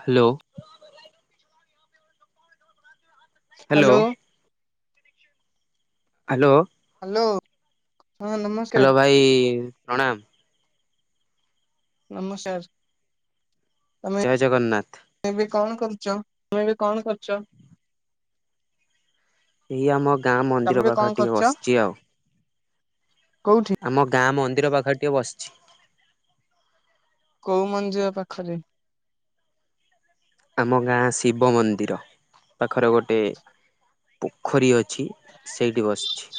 Hello. Hello. Hello hello. [inaudible] Hello ନମସ୍କାର ଭାଇ। ପ୍ରଣାମ। ନମସ୍ ସାର୍। ଜୟ ଜଗନ୍ନାଥ। ତୁ ବି କଣ କରଛ ତୁମେ ଏବେ କଣ କରୁଛ? ଏଇ ଆମ ଗାଁ ତମେ ମନ୍ଦିର ଏବେ କଣ ପାଖରେ ଟିକେ କରୁଛ? ବସିଛି ଆଉ। କୋଉଠି। ଆମ ଗାଁ ମନ୍ଦିର ପାଖରେ ଟିକେ ବସିଛି। କୋଉ ମନ୍ଦିର ପାଖରେ। ଆମ ଗାଁ ଶିବ ମନ୍ଦିର। ପାଖର ଗୋଟେ ପୋଖରୀ ଅଛି। ଛି ସେଇଠି ବସିଛି।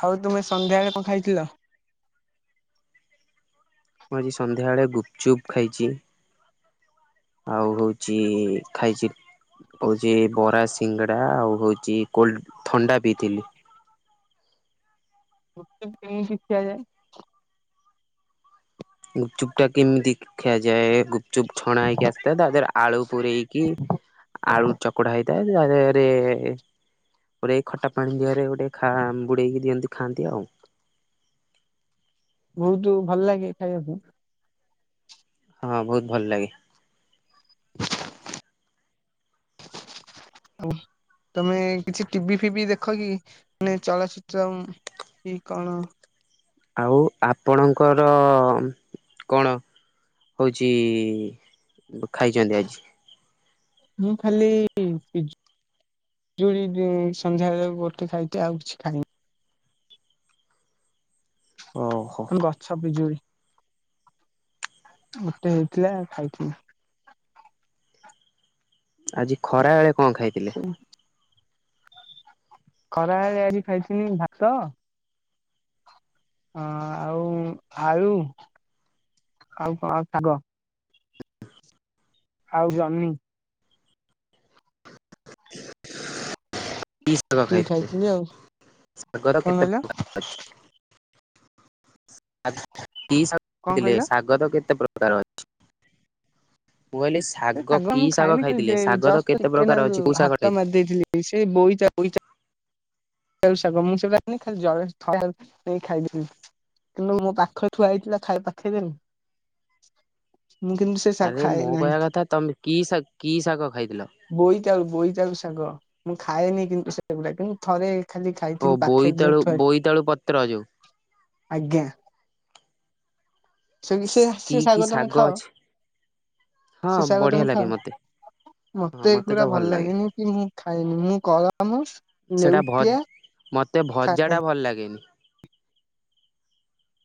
ଆଉ ତୁମେ ସନ୍ଧ୍ୟାବେଳେ କଣ ଖାଇଥିଲ? ମୁଁ ଆଜି ସନ୍ଧ୍ୟାବେଳେ ଗୁପଚୁପ ଖାଇଛି, ଆଉ ହଉଛି ଖାଇଛି ହଉଛି ବରା ସିଙ୍ଗଡା ଆଉ ହଉଛି କୋଲଡ ଥଣ୍ଡା ପିଇଥିଲି। ଗୁପଚୁପ କେମିତି ଖିଆଯାଏ? ଗୁପଚୁପ କେମିତି ଖିଆଯାଏ? ଗୁପ୍ ଚୁପ୍ ଛଣା ହେଇକି ଆସିଥିଲା। ତା ଦେରେ ଆଳୁ ପୂରେଇକି ଆଳୁ ଚକଡ଼ା ହେଇଥାଏ। ତା ଦେହରେ ପୁରେଇକି ଖଟା ପାଣି ଦେହରେ ଗୋଟେ- ଖାଁମ୍-ବୁଡ଼େଇକି ଦିଅନ୍ତି ଖାଆନ୍ତି ଆଉ। ବହୁତୁ ଭଲ ଲାଗେ ଖାଇବାକୁ? ହଁ ବହୁତ ଭଲ ଲାଗେ। [unintelligible] ତମେ କିଛି ଟିଭି ଫିଭି ଦେଖ କିି? ମାନେ ଚଳଚିତ୍ର କି କଣ ଆଉ ଆପଣଙ୍କର କଣ ହୋଇଛି ଖାଇଛନ୍ତି ଆଜି? ମୁଁ ଖାଲି ପିଜୁ-ପିଜୁଳିଟେ ସନ୍ଧ୍ୟାବେଳକୁ ଗୋଟେ ଖାଇଛି। ଆଉ କିଛି ଖାଇନି। ଓହୋ ଆମ ଗଛ ପିଜୁଳି ଗୋଟେ ହେଇଥିଲା ଖାଇଥିଲି। ଆଜି ଖରା ବେଳେ କଣ ଖାଇଥିଲେ? ଖରାବେଳେ ଆଜି ଖାଇଥିଲି ଭାତ, ହଁ ଆଉ ଆଳୁ ଆଉ କଣ ଆଉ ଶାଗ, ଆଉ ଜହ୍ନି କି ଶାଗ ଏତିକି ଖାଇଥିଲେ? ଖାଇଥିଲି ଆଉ ଶାଗର କଣ କେତେ କହିଲ ପ୍ରକାର ଅଛି। ଆ ଚ୍ଛା କି ଶାଗ କଣ ଖାଇଥିଲେ? କହିଲ? ଶାଗ ତ କେତେ ପ୍ରକ୍ ର ଅଛି। ମୁଁ କହିଲି ସେ ଶାଗ କି ମୁଁ ଖାଏନି। ଖାଲି ଖାଇଥିଲେ ଶାଗ ତ ଜ-ଜଷ୍ଟ କେତେ ଟିକେ ପ୍ରକାର ନାକ ଅଛି କୋଉ ଶାଗ ହାତ ଖାଇଥିଲେ? ମାରି ଦେଇଥିଲି। ସେ ବୋଇ ତର୍ ବୋଇ ତର୍ ଶାଗ ମୁଁ ସେଟା ଖାଏନି ଖାଲି ଜଳରେ ଥଣ୍ଡା ନେଇ ଖାଇଥିଲି। କିନ୍ତୁ ମୋ ପାଖରେ ଥୁଆ ହେଇଥିଲା ଖାଇ ପାଖେଇ ଆରେ ମୁଁ କହିବା କଥା ତମେ କି ଶାଗ କି ଶାଗ ଖାଇଥିଲ? ବୋଇତାଳୁ ବୋଇତାଳୁ ଶାଗ ମୁଁ ଖାଏନି କିନ୍ତୁ ସେଗୁଡା। କିନ୍ତୁ ଥରେ ଖାଲି ଓ ଖାଇଥିଲି ପାଖରେ ଯେହେତୁ ବୋଇତାଳୁ ଥୁଆ ବୋଇତାଳୁ ପତ୍ର ଯଉ ଆଜ୍ଞା। ସେ ସେ କି ସେ କି ଶାଗ ତମେ ଖାଅ? ଅଛି? ହଁ ସେ ଶାଗ ବଢିଆ ତମେ ଲାଗେ ମତେ। ଖାଅ? ହଁ ମତେ ତ ଏଗୁଡା ଭଲ ଲାଗେ ଲାଗେନି କି ମୁଁ ଖାଇନି। ମୁଁ କଳମୁ, ସେଟା ଭ ଲେଉଟିଆ ମତେ ଭଜା ଟା ଖାଏ। ଭଲ ଲାଗେନି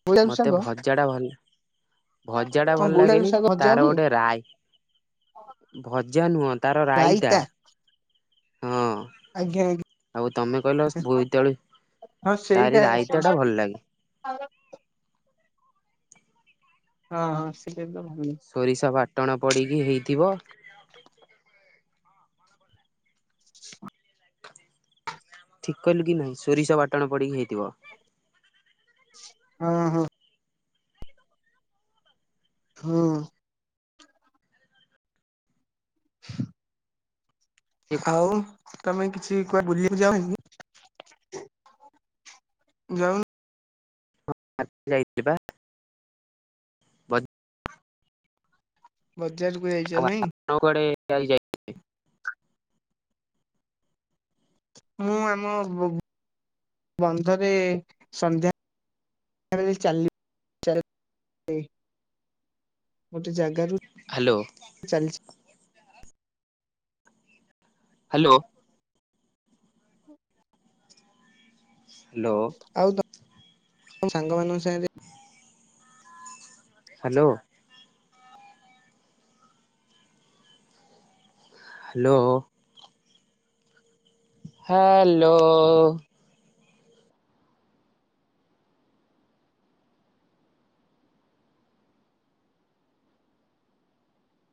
ବୋଇତାଳୁ ମତେ ଶାଗ ଭଜା ଟା ଭଲ୍-ଭଜାଟା କଣ ଭଲ ବୋଇତାଳୁ ଲାଗେନି। ଶାଗ ଭଜା ତାର ହୁଏ ଗୋଟେ ରାଇ-ଭଜା ନୁହଁ ତାର ରାଇତା ହଁ। ଆଜ୍ଞା ଆଜ୍ଞା ଆଉ ତମେ କହିଲ ବୋଇତାଳୁ ହଁ ସେଇଟା ତାରି ସେଇଟା ରାଇତାଟା ଭଲ ଲାଗେ। ହଁ ହଁ ହଁ। ସେସବୁ ହୁଁ। ଟଣ ପଡ଼ିକି ହେଇଥିବ। ଠିକ କହିଲୁ କି ନାହିଁ? ସୋରିଷ ବାଟଣ ପଡିକି ହେଇଥିବ। ହଁ ହଁ। ହଁ। ଆଉ ତମେ କିଛି କୁଆଡେ ବୁଲିବାକୁ ଯାଉନି କି ଯାଉନ ଆଜି ଯାଇଥିଲି ବା। ବଡ୍ ବ ର୍ ବଜାରକୁ ଯାଇଛ ନାଇଁ? ଆପଣ [unintelligible] ମୁଁ ଆମ ବନ୍ଧରେ ସନ୍ଧ୍ୟା ଚାଲି ଗୋଟେ ଜାଗାରୁ ହ୍ୟାଲୋ। ଚାଲିଛି ହ୍ୟାଲୋ। [unintelligible] ହ୍ୟାଲୋ। ଆଉ ତମ ସାଙ୍ଗମାନଙ୍କ ସାଙ୍ଗରେ ଯା ହ୍ୟାଲୋ। ହ୍ୟାଲୋ। ହାଆଲୋ